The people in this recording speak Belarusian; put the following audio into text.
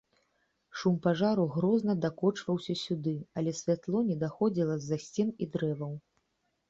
Шум пажару грозна дакочваўся сюды, але святло не даходзіла з-за сцен і дрэваў.